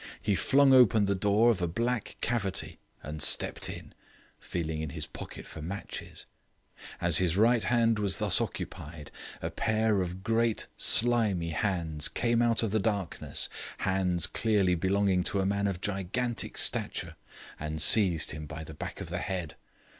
He flung open the door of a black cavity and stepped in, feeling in his pocket for matches. As his right hand was thus occupied, a pair of great slimy hands came out of the darkness, hands clearly belonging to a man of gigantic stature, and seized him by the back of the head.